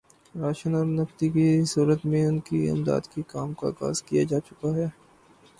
ration اور نقدی کی صورت میں ان کی امداد کے کام کا آغاز کیا جا چکا ہے